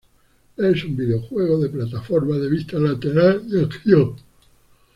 Es un videojuego de plataformas de vista lateral y acción.